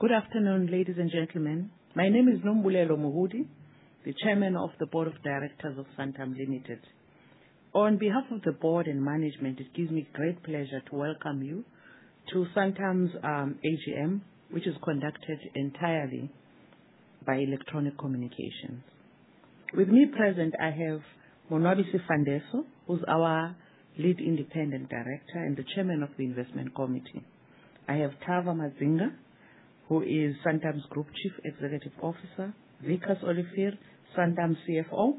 Good afternoon, ladies and gentlemen. My name is Nombulelo Moholi, the Chairman of the Board of Directors of Santam Limited. On behalf of the board and management, it gives me great pleasure to welcome you to Santam's AGM, which is conducted entirely by electronic communications. With me present, I have Monwabisi Fandeso, who's our Lead Independent Director and the Chairman of the Investment Committee. I have Tavaziva Madzinga, who is Santam's Group Chief Executive Officer, Wikus Olivier, Santam's CFO,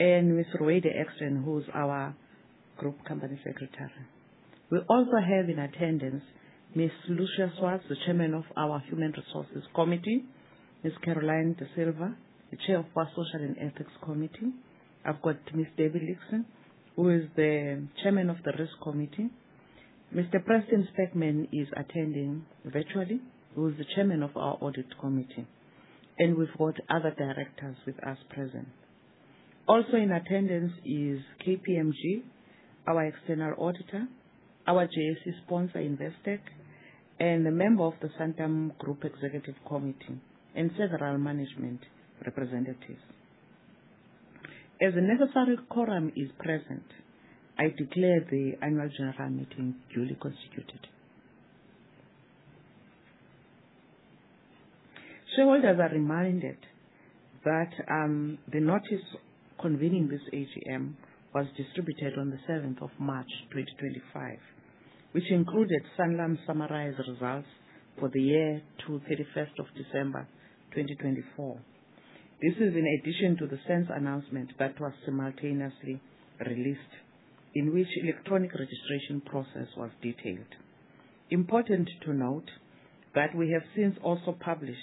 and Mr. Ruweida Eksteen, who's our Group Company Secretary. We also have in attendance Ms. Lucia Swartz, the Chairman of our Human Resources Committee, Ms. Caroline Da Silva, the Chair for Social and Ethics Committee. I've got Ms. Debbie Loxton, who is the Chairman of the Risk Committee. Mr. Preston Speckmann is attending virtually, who is the Chairman of our Audit Committee. We've got other directors with us present. In attendance is KPMG, our external auditor, our JSE sponsor, Investec, and a member of the Santam Group Executive Committee and several management representatives. As a necessary quorum is present, I declare the annual general meeting duly constituted. Shareholders are reminded that the notice convening this AGM was distributed on the 7th of March, 2025, which included Santam's summarized results for the year to 31st of December, 2024. This is in addition to the SENS announcement that was simultaneously released, in which electronic registration process was detailed. Important to note that we have since also published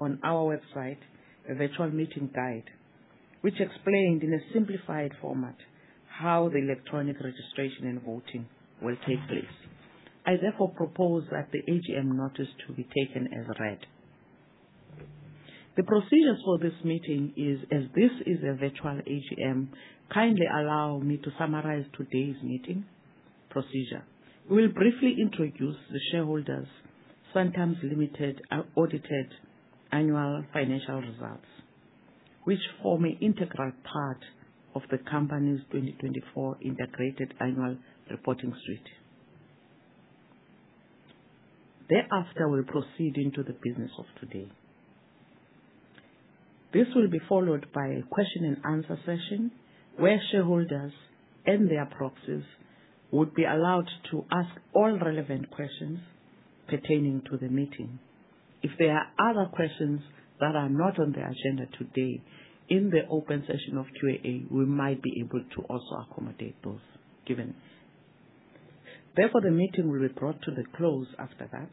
on our website a virtual meeting guide, which explained in a simplified format how the electronic registration and voting will take place. I therefore propose that the AGM notice to be taken as read. The procedure for this meeting is, as this is a virtual AGM, kindly allow me to summarize today's meeting procedure. We'll briefly introduce the Shareholders Santam Limited audited annual financial results, which form an integral part of the company's 2024 integrated annual reporting suite. Thereafter, we'll proceed into the business of today. This will be followed by a question and answer session, where Shareholders and their Proxies would be allowed to ask all relevant questions pertaining to the meeting. If there are other questions that are not on the agenda today, in the open session of Q&A, we might be able to also accommodate those, given. Therefore, the meeting will be brought to the close after that.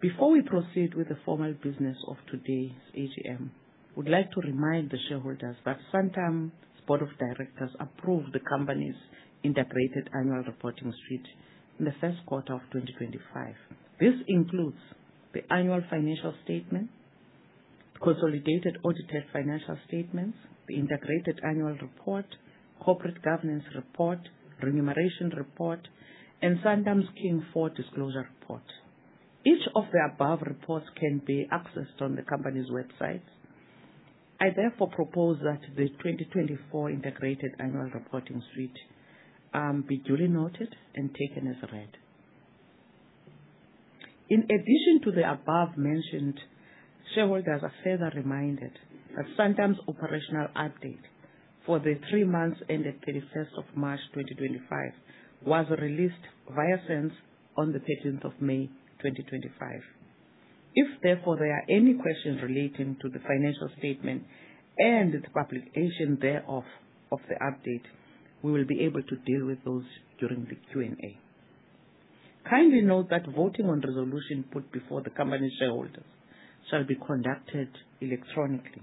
Before we proceed with the formal business of today's AGM, we'd like to remind the Shareholders that Santam's Board of Directors approved the company's integrated annual reporting suite in the first quarter of 2025. This includes the annual financial statement, consolidated audited financial statements, the integrated annual report, corporate governance report, remuneration report, and Santam's King IV disclosure report. Each of the above reports can be accessed on the company's website. I therefore propose that the 2024 integrated annual reporting suite be duly noted and taken as read. In addition to the above mentioned, Shareholders are further reminded that Santam's operational update for the 3 months ended 31st of March, 2025 was released via SENS on the 13th of May, 2025. Therefore, there are any questions relating to the financial statement and the publication thereof of the update, we will be able to deal with those during the Q&A. Kindly note that voting on resolution put before the company Shareholders shall be conducted electronically.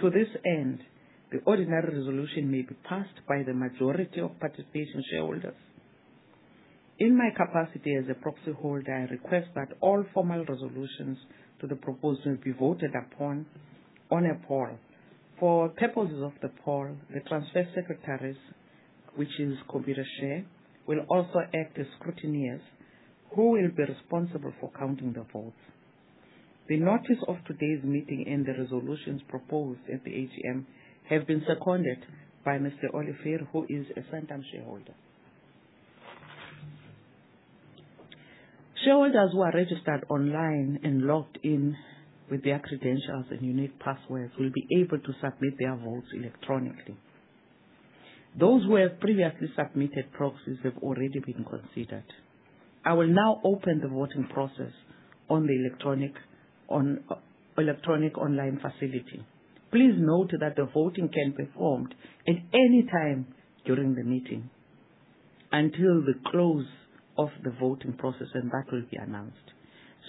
To this end, the ordinary resolution may be passed by the majority of participating Shareholders. In my capacity as a Proxy Holder, I request that all formal resolutions to the proposal be voted upon on a poll. For purposes of the poll, the transfer secretaries, which is Computershare, will also act as scrutineers who will be responsible for counting the votes. The notice of today's meeting and the resolutions proposed at the AGM have been seconded by Mr. Olivier, who is a Santam Shareholder. Shareholders who are registered online and logged in with their credentials and unique passwords will be able to submit their votes electronically. Those who have previously submitted Proxies have already been considered. I will now open the voting process on the electronic, on electronic online facility. Please note that the voting can be performed at any time during the meeting until the close of the voting process, and that will be announced.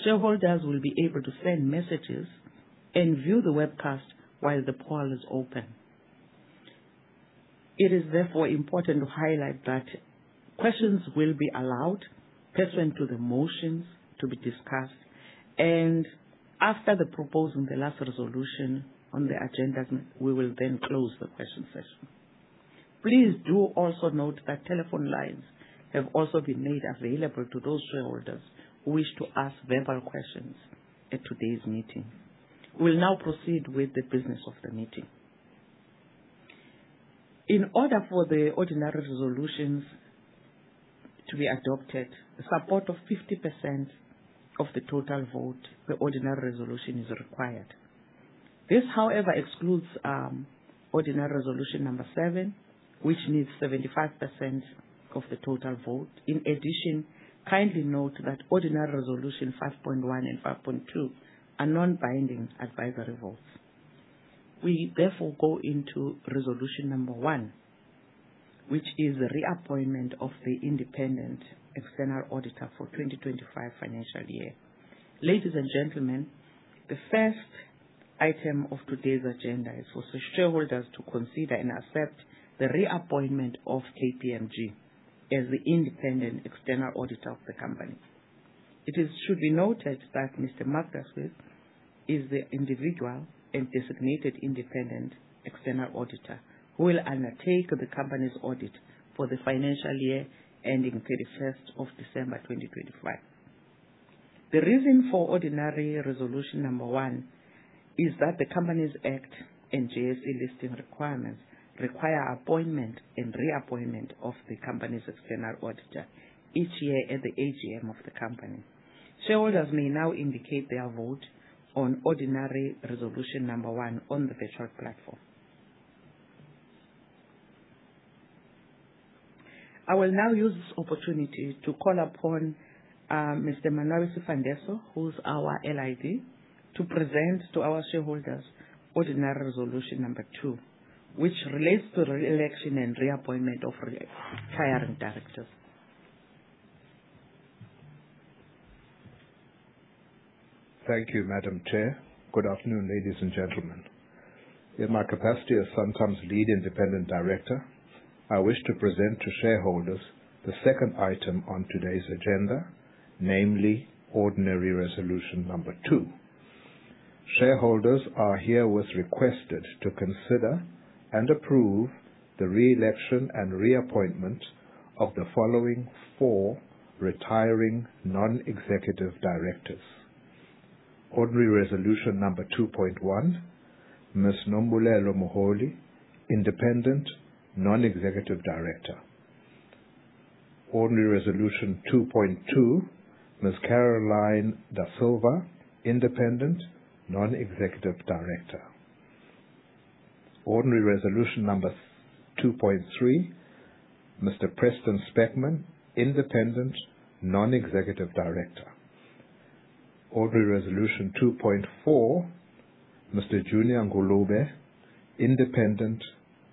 Shareholders will be able to send messages and view the webcast while the poll is open. It is therefore important to highlight that questions will be allowed pursuant to the motions to be discussed. After the proposal, the last resolution on the agenda, we will then close the question session. Please do also note that telephone lines have also been made available to those Shareholders who wish to ask verbal questions at today's meeting. We'll now proceed with the business of the meeting. In order for the ordinary resolutions to be adopted, the support of 50% of the total vote for ordinary resolution is required. This, however, excludes ordinary resolution number 7, which needs 75% of the total vote. In addition, kindly note that ordinary resolution 5.1 and 5.2 are non-binding advisory votes. We therefore go into resolution number 1, which is the reappointment of the independent external auditor for 2025 financial year. Ladies and gentlemen, the first item of today's agenda is for Shareholders to consider and accept the reappointment of KPMG as the independent external auditor of the company. It should be noted that Mr. Mark Wessels is the individual and designated independent external auditor who will undertake the company's audit for the financial year ending 31st of December, 2025. The reason for ordinary resolution number one is that the Companies Act and JSE listing requirements require appointment and reappointment of the company's external auditor each year at the AGM of the company. Shareholders may now indicate their vote on ordinary resolution number one on the virtual platform. I will now use this opportunity to call upon, Mr. Monwabisi Fandeso, who's our LID, to present to our Shareholders ordinary resolution number 2, which relates to reelection and reappointment of re-hiring Directors. Thank you, Madam Chair. Good afternoon, ladies and gentlemen. In my capacity as Santam's Lead Independent Director, I wish to present to Shareholders the second item on today's agenda, namely ordinary resolution number 2. Shareholders are herewith requested to consider and approve the reelection and reappointment of the following 4 retiring Non-Executive Directors. Ordinary resolution number 2.1, Ms. Nombulelo Moholi, Independent Non-Executive Director. Ordinary resolution 2.2, Ms. Caroline Da Silva, Independent Non-Executive Director. Ordinary resolution number 2.3, Mr. Preston Speckmann, Independent Non-Executive Director. Ordinary resolution 2.4, Mr. Junior Ngulube, Independent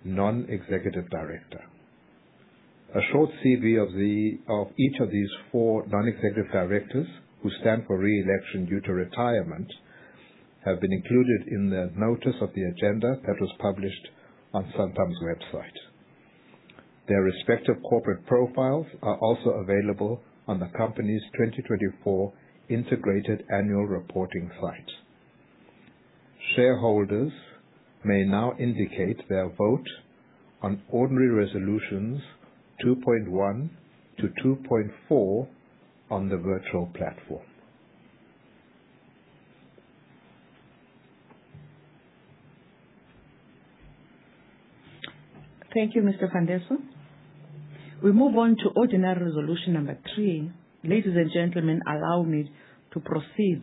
Non-Executive Director. A short CV of each of these 4 Non-Executive Directors who stand for reelection due to retirement have been included in the notice of the agenda that was published on Santam's website. Their respective corporate profiles are also available on the company's 2024 integrated annual reporting site. Shareholders may now indicate their vote on ordinary resolutions 2.1 to 2.4 on the virtual platform. Thank you, Mr. Fandeso. We move on to ordinary resolution number 3. Ladies and gentlemen, allow me to proceed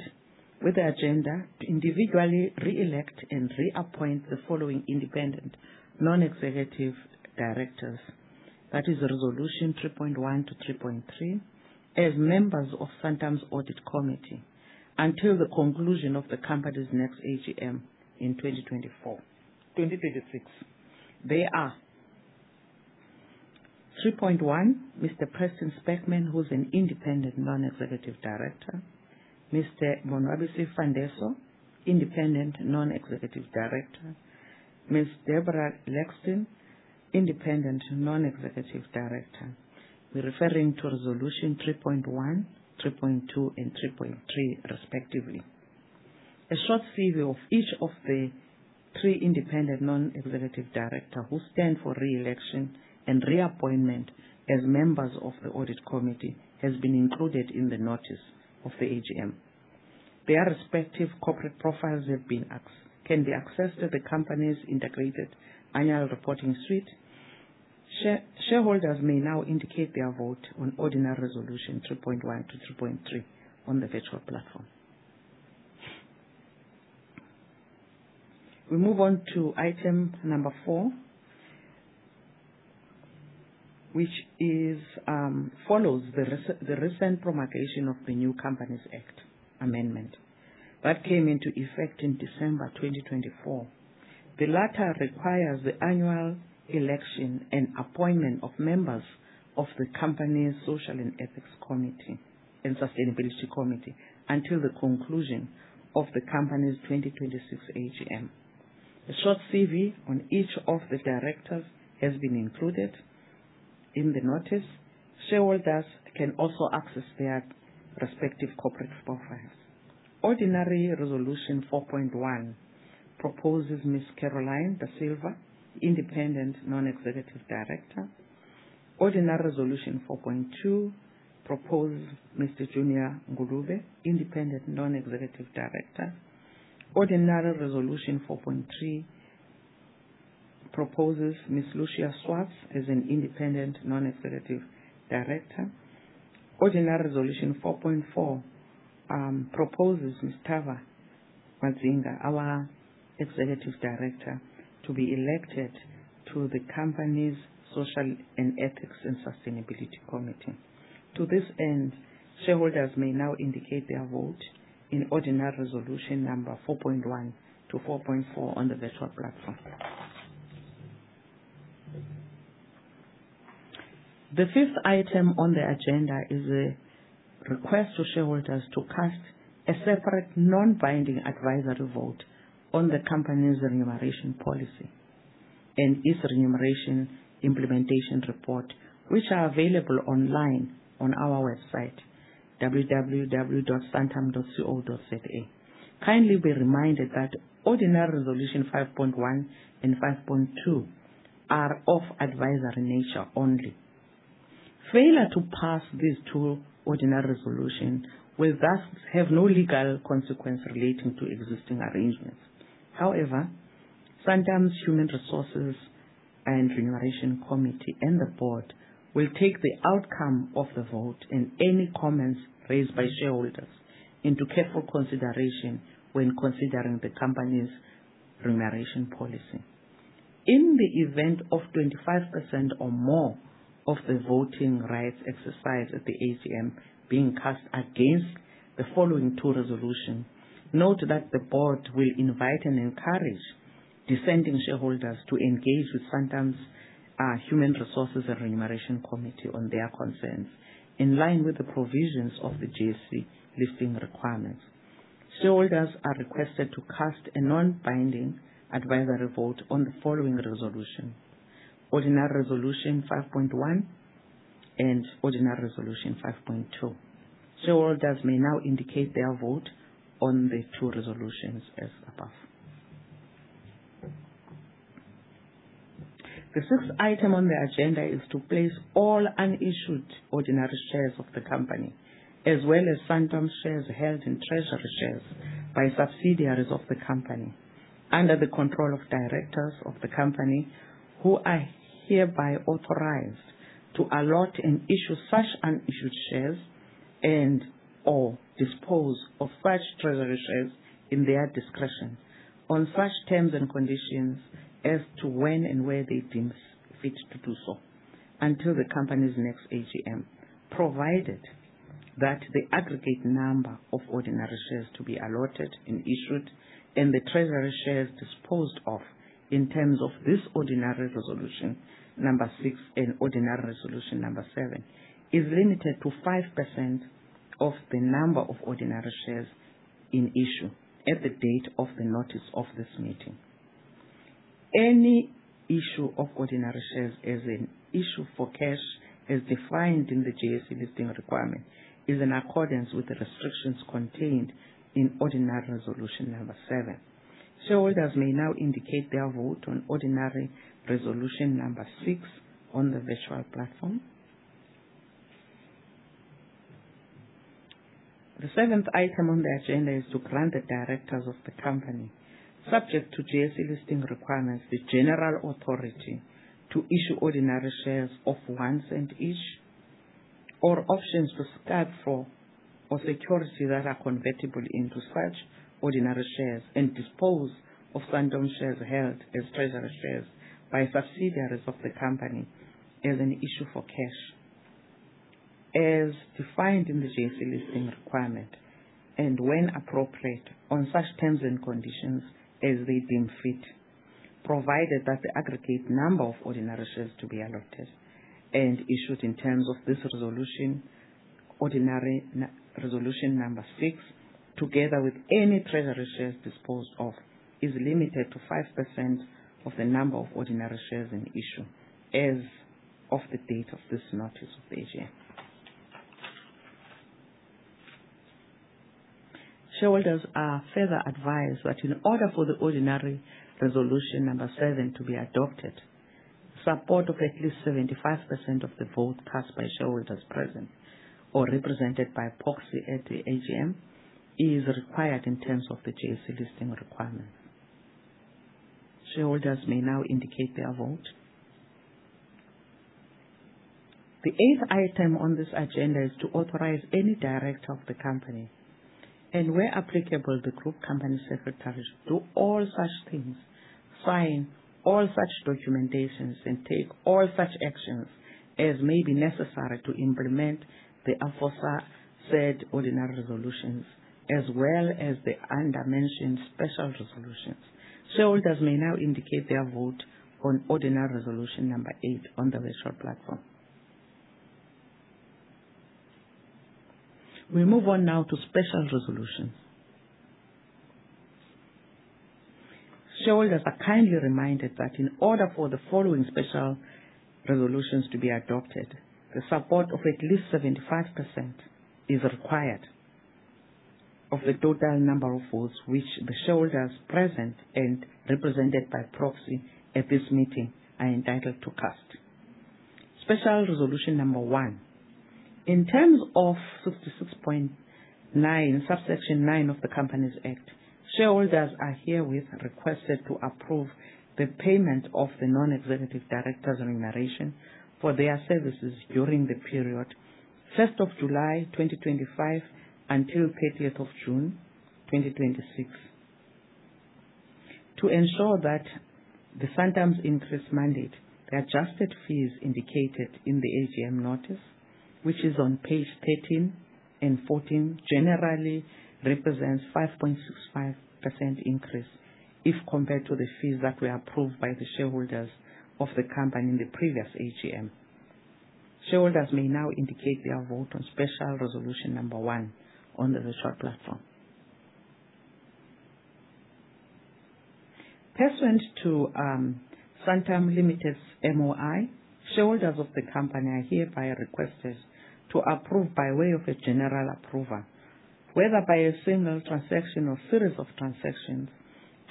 with the agenda to individually reelect and reappoint the following independent non-executive directors. That is resolution 3.1 to 3.3 as members of Santam's Audit Committee until the conclusion of the company's next AGM in 2024-2026. They are 3.1, Mr. Preston Speckmann, who's an Independent Non-Executive Director. Mr. Monwabisi Fandeso, Independent Non-Executive Director. Ms. Deborah Loxton, Independent Non-Executive Director. We're referring to resolution 3.1, 3.2, and 3.3 respectively. A short CV of each of the 3 independent non-executive director who stand for reelection and reappointment as members of the Audit Committee has been included in the notice of the AGM. Their respective corporate profiles can be accessed at the company's integrated annual reporting suite. Shareholders may now indicate their vote on ordinary resolution 3.1 to 3.3 on the virtual platform. We move on to item number 4, which follows the recent promulgation of the new Companies Act Amendment that came into effect in December 2024. The latter requires the annual election and appointment of members of the company's Social and Ethics Committee and Sustainability Committee until the conclusion of the company's 2026 AGM. A short CV on each of the directors has been included. In the notice, Shareholders can also access their respective corporate profiles. Ordinary Resolution 4.1 proposes Ms. Caroline Da Silva, Independent Non-Executive Director. Ordinary Resolution 4.2 proposes Mr. Junior Ngulube, Independent Non-Executive Director. Ordinary Resolution 4.3 proposes Ms. Lucia Swartz as an Independent Non-Executive Director. Ordinary Resolution 4.4 proposes Mr. Tavaziva Madzinga, our Executive Director, to be elected to the company's Social, Ethics and Sustainability Committee. To this end, Shareholders may now indicate their vote in ordinary resolution number 4.1 to 4.4 on the virtual platform. The 5th item on the agenda is a request to Shareholders to cast a separate non-binding advisory vote on the company's remuneration policy and its remuneration implementation report, which are available online on our website, www.santam.co.za. Kindly be reminded that Ordinary Resolution 5.1 and 5.2 are of advisory nature only. Failure to pass these two ordinary resolution will thus have no legal consequence relating to existing arrangements. However, Santam's Human Resources and Remuneration Committee and the Board will take the outcome of the vote and any comments raised by Shareholders into careful consideration when considering the company's remuneration policy. In the event of 25% or more of the voting rights exercised at the AGM being cast against the following two resolution, note that the Board will invite and encourage dissenting Shareholders to engage with Santam's Human Resources and Remuneration Committee on their concerns in line with the provisions of the JSE listing requirements. Shareholders are requested to cast a non-binding advisory vote on the following resolution: Ordinary Resolution 5.1 and Ordinary Resolution 5.2. Shareholders may now indicate their vote on the 2 resolutions as above. The sixth item on the agenda is to place all unissued ordinary shares of the company, as well as Santam shares held in treasury shares by subsidiaries of the company, under the control of directors of the company who are hereby authorized to allot and issue such unissued shares and/or dispose of such treasury shares in their discretion on such terms and conditions as to when and where they deem fit to do so until the company's next AGM. Provided that the aggregate number of ordinary shares to be allotted and issued and the treasury shares disposed of in terms of this Ordinary Resolution number 6 and Ordinary Resolution number 7, is limited to 5% of the number of ordinary shares in issue at the date of the notice of this meeting. Any issue of ordinary shares as in issue for cash as defined in the JSE listing requirement is in accordance with the restrictions contained in Ordinary Resolution number 7. Shareholders may now indicate their vote on Ordinary Resolution number 6 on the virtual platform. The 7th item on the agenda is to grant the directors of the company, subject to JSE listing requirements, the general authority to issue ordinary shares of 0.01 each or options to subscribe for or securities that are convertible into such ordinary shares and dispose of Santam shares held as treasury shares by subsidiaries of the company as an issue for cash as defined in the JSE listing requirement. When appropriate, on such terms and conditions as they deem fit, provided that the aggregate number of ordinary shares to be allotted and issued in terms of this resolution, Ordinary Resolution 6, together with any treasury shares disposed of, is limited to 5% of the number of ordinary shares in issue as of the date of this notice of the AGM. Shareholders are further advised that in order for the Ordinary Resolution 7 to be adopted, support of at least 75% of the vote cast by Shareholders present or represented by proxy at the AGM is required in terms of the JSE listing requirement. Shareholders may now indicate their vote. The 8th item on this agenda is to authorize any director of the company, and where applicable, the group company secretaries, do all such things, sign all such documentations, and take all such actions as may be necessary to implement the aforesaid ordinary resolutions as well as the undermentioned special resolutions. Shareholders may now indicate their vote on Ordinary Resolution number 8 on the virtual platform. We move on now to special resolutions. Shareholders are kindly reminded that in order for the following special resolutions to be adopted, the support of at least 75% is required of the total number of votes which the Shareholders present and represented by proxy at this meeting are entitled to cast. Special resolution number 1. In terms of 66.9, subsection 9 of the Companies Act, Shareholders are herewith requested to approve the payment of the non-executive directors' remuneration for their services during the period 1st of July 2025 until 30th of June 2026. To ensure that the Santam's interest mandate, the adjusted fees indicated in the AGM notice, which is on page 13 and 14, generally represents 5.65% increase if compared to the fees that were approved by the Shareholders of the company in the previous AGM. Shareholders may now indicate their vote on special resolution number 1 on the virtual platform. Pursuant to Santam Limited's MOI, Shareholders of the company are hereby requested to approve by way of a general approval, whether by a single transaction or series of transactions,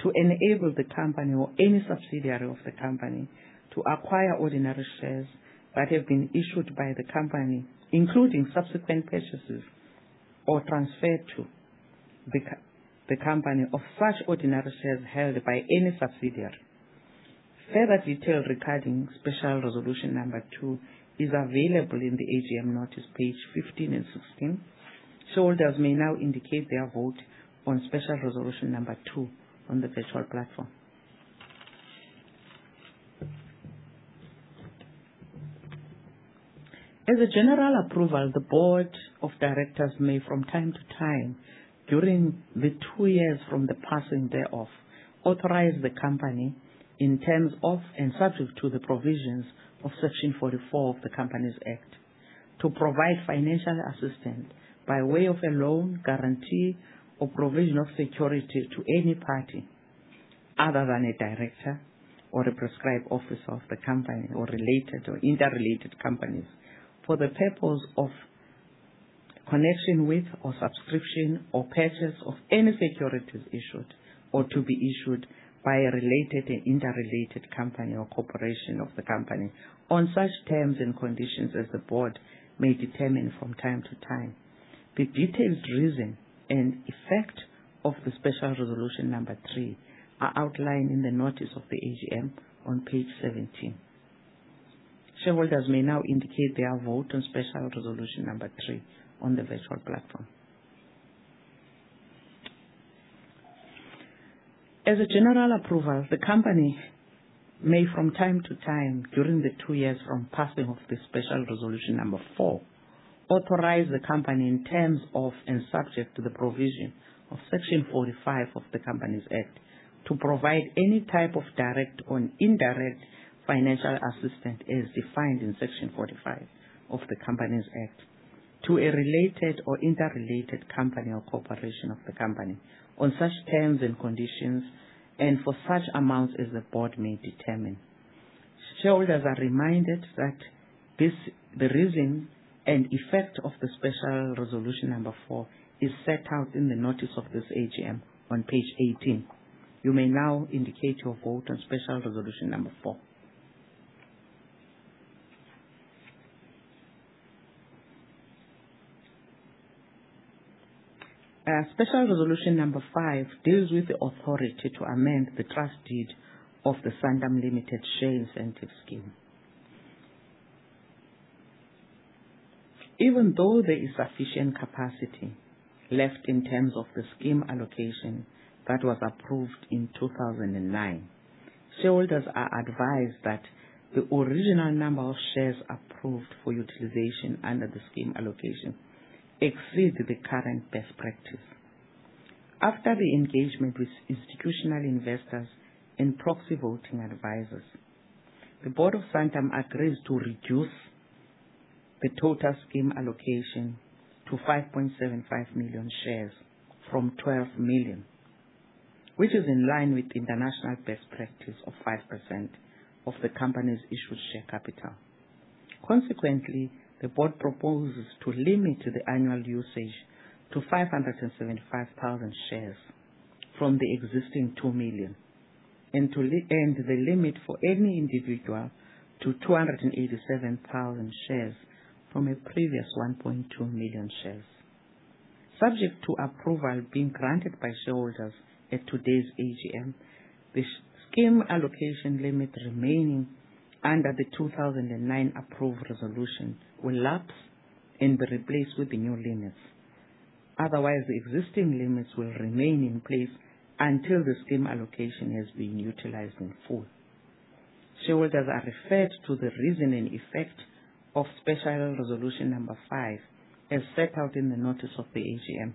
to enable the company or any subsidiary of the company to acquire ordinary shares that have been issued by the company, including subsequent purchases or transferred to the company of such ordinary shares held by any subsidiary. Further detail regarding special resolution number two is available in the AGM notice page 15 and 16. Shareholders may now indicate their vote on special resolution number two on the virtual platform. As a general approval, the Board of Directors may from time to time, during the two years from the passing thereof, authorize the company in terms of and subject to the provisions of Section 44 of the Companies Act to provide financial assistance by way of a loan, guarantee or provision of security to any party other than a director or a prescribed officer of the company, or related or interrelated companies for the purpose of connection with or subscription or purchase of any securities issued or to be issued by a related and interrelated company or corporation of the company on such terms and conditions as the board may determine from time to time. The detailed reason and effect of the special resolution number 3 are outlined in the notice of the AGM on page 17. Shareholders may now indicate their vote on Special Resolution 3 on the virtual platform. As a general approval, the company may from time to time during the 2 years from passing of the Special Resolution 4, authorize the company in terms of and subject to the provision of Section 45 of the Companies Act to provide any type of direct or indirect financial assistance as defined in Section 45 of the Companies Act to a related or interrelated company or corporation of the company on such terms and conditions and for such amounts as the board may determine. Shareholders are reminded that this, the reason and effect of the Special Resolution 4 is set out in the notice of this AGM on page 18. You may now indicate your vote on Special Resolution 4. Special resolution number five deals with the authority to amend the trust deed of the Santam Limited Share Incentive Trust. Even though there is sufficient capacity left in terms of the scheme allocation that was approved in 2009, Shareholders are advised that the original number of shares approved for utilization under the scheme allocation exceeds the current best practice. After the engagement with institutional investors and proxy voting advisors, the board of Santam agrees to reduce the total scheme allocation to 5.75 million shares from 12 million, which is in line with international best practice of 5% of the company's issued share capital. Consequently, the board proposes to limit the annual usage to 575,000 shares from the existing 2 million and to limit and the limit for any individual to 287,000 shares from a previous 1.2 million shares. Subject to approval being granted by Shareholders at today's AGM, the scheme allocation limit remaining under the 2009 approved resolution will lapse and be replaced with the new limits. Otherwise, the existing limits will remain in place until the scheme allocation has been utilized in full. Shareholders are referred to the reason and effect of Special Resolution number 5, as set out in the notice of the AGM,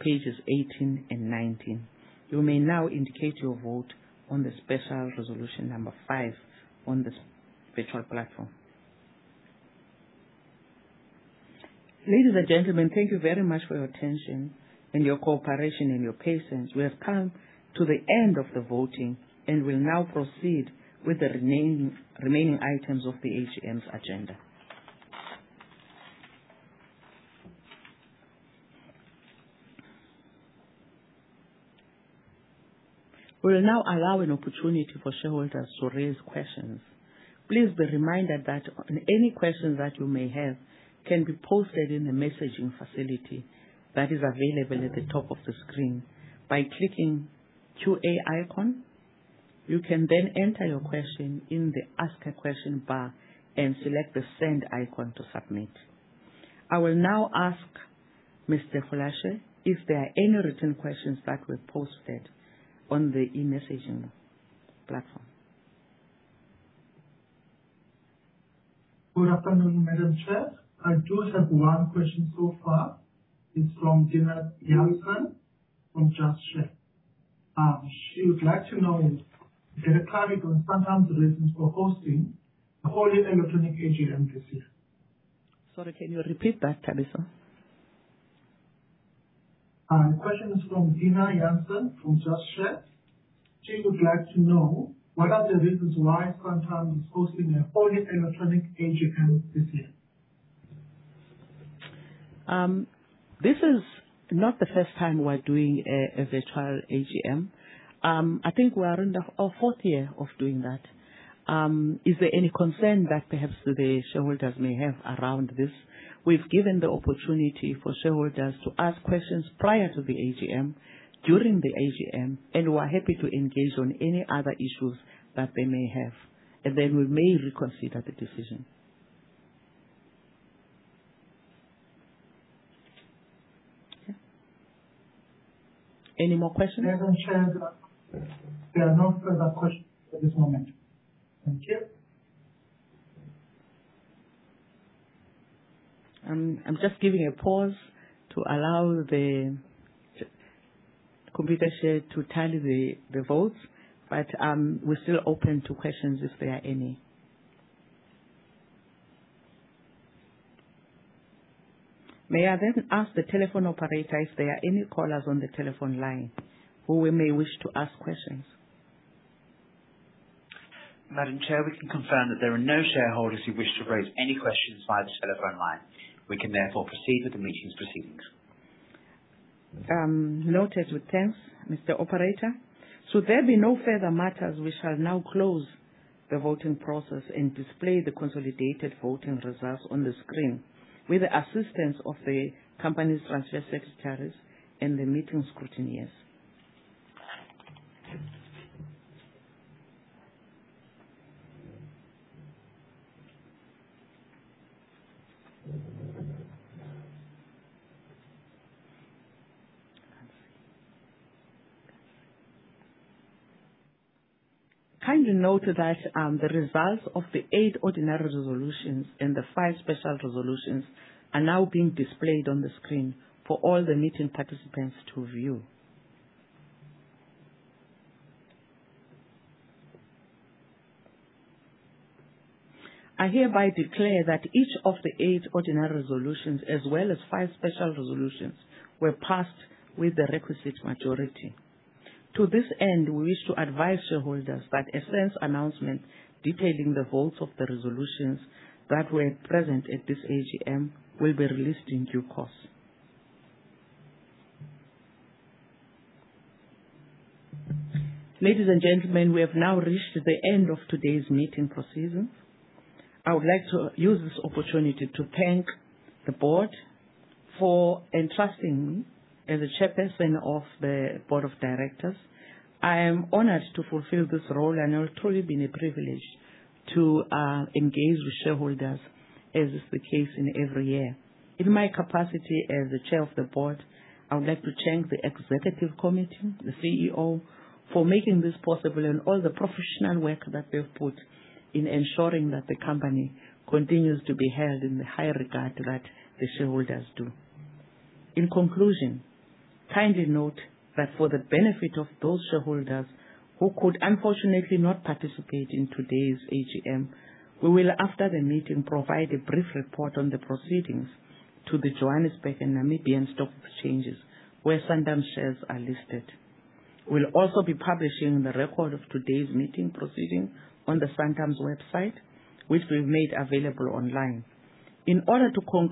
pages 18 and 19. You may now indicate your vote on the Special Resolution number 5 on this-Virtual platform. Ladies and gentlemen, thank you very much for your attention and your cooperation and your patience. We have come to the end of the voting and will now proceed with the remaining items of the AGM's agenda. We will now allow an opportunity for Shareholders to raise questions. Please be reminded that any questions that you may have can be posted in the messaging facility that is available at the top of the screen by clicking QA icon. You can enter your question in the Ask a Question bar and select the send icon to submit. I will now ask Mr. Rulashe if there are any written questions that were posted on the e-messaging platform. Good afternoon, Madam Chair. I do have one question so far. It's from Déna Jansen from Just Share. She would like to know is there a clarity on Santam's reasons for hosting a wholly electronic AGM this year? Sorry, can you repeat that, Thabiso? Question is from Déna Jansen from Just Share. She would like to know what are the reasons why Santam is hosting a wholly electronic AGM this year. This is not the first time we're doing a virtual AGM. I think we are in our fourth year of doing that. Is there any concern that perhaps the Shareholders may have around this? We've given the opportunity for Shareholders to ask questions prior to the AGM, during the AGM, and we're happy to engage on any other issues that they may have, and then we may reconsider the decision. Any more questions? Madam Chair, there are no further questions at this moment. Thank you. I'm just giving a pause to allow the Computershare to tally the votes, but, we're still open to questions if there are any. May I ask the telephone operator if there are any callers on the telephone line who may wish to ask questions. Madam Chair, we can confirm that there are no Shareholders who wish to raise any questions via this telephone line. We can therefore proceed with the meeting's proceedings. Noted with thanks, Mr. Operator. Should there be no further matters, we shall now close the voting process and display the consolidated voting results on the screen with the assistance of the company's transfer secretaries and the meeting scrutineers. Kindly note that the results of the 8 ordinary resolutions and the 5 special resolutions are now being displayed on the screen for all the meeting participants to view. I hereby declare that each of the 8 ordinary resolutions as well as 5 special resolutions were passed with the requisite majority. To this end, we wish to advise Shareholders that a SENS announcement detailing the votes of the resolutions that were present at this AGM will be released in due course. Ladies and gentlemen, we have now reached the end of today's meeting proceedings. I would like to use this opportunity to thank the board for entrusting me as the Chairperson of the Board of Directors. I am honored to fulfill this role, it will truly been a privilege to engage with Shareholders as is the case in every year. In my capacity as the Chair of the Board, I would like to thank the executive committee, the CEO, for making this possible and all the professional work that they've put in ensuring that the company continues to be held in the high regard that the Shareholders do. In conclusion, kindly note that for the benefit of those Shareholders who could unfortunately not participate in today's AGM, we will, after the meeting, provide a brief report on the proceedings to the Johannesburg and Namibian stock exchanges where Santam shares are listed. We'll also be publishing the record of today's meeting proceeding on the Santam's website, which we've made available online. In order to comply